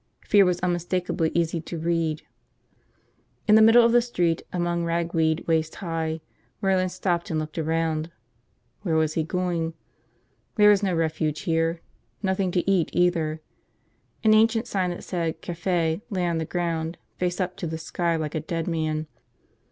Fear was unmistakably easy to read. ... In the middle of the street, among ragweed waist high, Merlin stopped and looked around. Where was he going? There was no refuge here. Nothing to eat, either. An ancient sign that said "Cafe" lay on the ground, face up to the sky like a dead man.